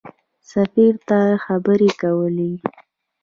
سفیر ته خبرې کولې.